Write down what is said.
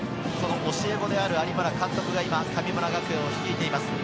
教え子である有村監督が神村学園を率いています。